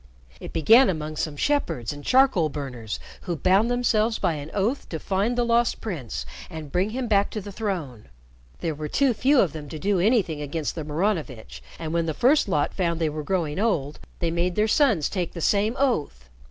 It began among some shepherds and charcoal burners who bound themselves by an oath to find the Lost Prince and bring him back to the throne. There were too few of them to do anything against the Maranovitch, and when the first lot found they were growing old, they made their sons take the same oath.